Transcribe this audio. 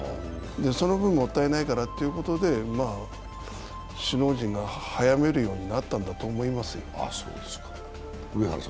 その分もったいないからということで首脳陣が早めるようになったんだと思いますよ。